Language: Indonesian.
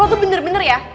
lo tuh bener bener ya